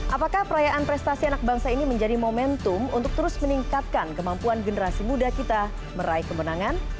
apakah perayaan prestasi anak bangsa ini menjadi momentum untuk terus meningkatkan kemampuan generasi muda kita meraih kemenangan